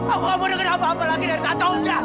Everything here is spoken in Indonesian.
aku gak mau denger apa apa lagi dari kato